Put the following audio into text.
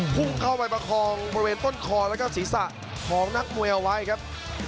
พุ่งเข้าไปประคองบริเวณต้นคอแล้วก็ศีรษะของนักมวยเอาไว้ครับ